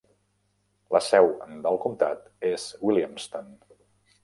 La seu del comtat és Williamston.